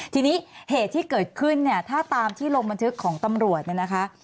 ทีนี้เหตุที่เกิดขึ้นเนี่ยถ้าตามที่ลงบันทึกของตำรวจเนี่ยนะคะ